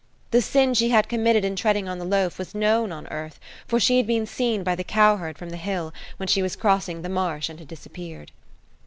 The sin she had committed in treading on the loaf was known on earth, for she had been seen by the cowherd from the hill, when she was crossing the marsh and had disappeared.